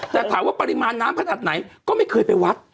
แต่ถามว่าปริมาณน้ำขนาดไหนก็ไม่เคยไปวัด